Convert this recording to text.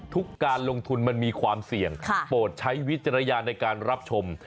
การลงทุนมันมีความเสี่ยงโปรดใช้วิจารณญาณในการรับชม